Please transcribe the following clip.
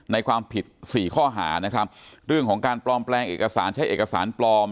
ในความผิดสี่ข้อหานะครับเรื่องของการปลอมแปลงเอกสารใช้เอกสารปลอม